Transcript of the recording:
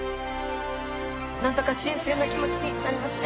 何だか神聖な気持ちになりますね。